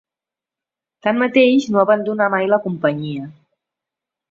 Tanmateix, no abandonà mai la Companyia.